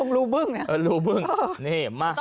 ลงรูบึ้งนะ